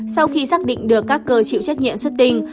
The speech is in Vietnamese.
sau khi xác định được các cơ chịu trách nhiệm xuất tinh